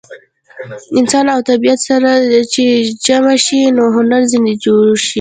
انسان او طبیعت چې سره جمع شي نو هنر ځینې جوړ شي.